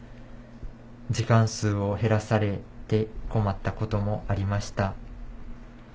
時間数を減らされて困ったこともありました。